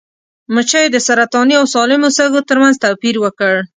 مچیو د سرطاني او سالمو سږو ترمنځ توپیر وکړ.